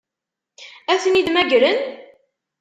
Ad ten-id-mmagren?